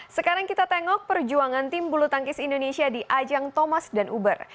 sekarang kita tengok perjuangan tim bulu tangkis indonesia di ajang thomas dan uber